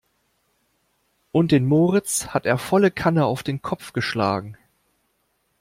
Und den Moritz hat er volle Kanne auf den Kopf geschlagen.